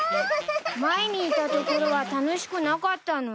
前にいた所は楽しくなかったの？